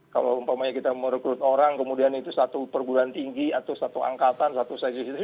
kalau umpamanya kita merekrut orang kemudian itu satu perguruan tinggi atau satu angkatan satu sesi